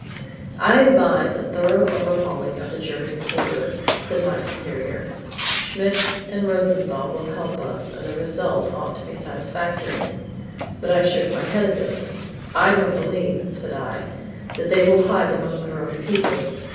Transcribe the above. "I advise a thorough overhauling of the German quarter," said my superior. "Schmidt, and Rosenthal will help us and the result ought to be satisfactory." But I shook my head at this. "I don't believe," said I, "that they will hide among their own people.